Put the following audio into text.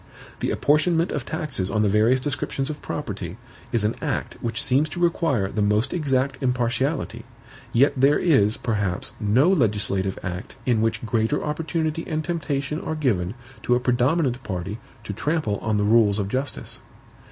The apportionment of taxes on the various descriptions of property is an act which seems to require the most exact impartiality; yet there is, perhaps, no legislative act in which greater opportunity and temptation are given to a predominant party to trample on the rules of justice.